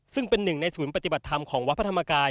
ซึ่งเป็นหนึ่งในศูนย์ปฏิบัติธรรมของวัดพระธรรมกาย